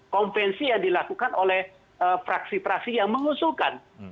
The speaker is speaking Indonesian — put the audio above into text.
konvensi yang dilakukan oleh fraksi fraksi yang mengusulkan